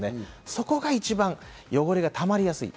そこが一番汚れがたまりやすい。